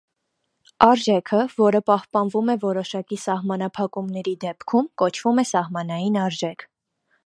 Արժեքը, որը պահպանվում է որոշակի սահմանափակումների դեպքում կոչվում է սահմանային արժեք։